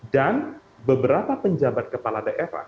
dan beberapa penjabat kepala daerah